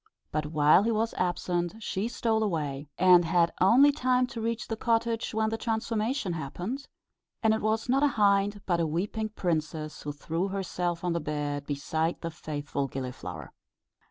But while he was absent she stole away, and had only time to reach the cottage when the transformation happened, and it was not a hind but a weeping princess who threw herself on the bed beside the faithful Gilliflower.